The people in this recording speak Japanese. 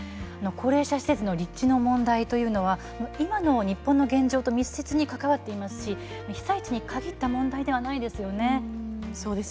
高齢者施設の立地の問題というのは今の日本の現状と密接に関わっていますし被災地に限った問題ではないですよね。